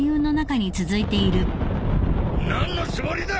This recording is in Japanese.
何のつもりだ！